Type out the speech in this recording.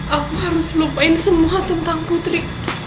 aku harus lupain semua tentang putri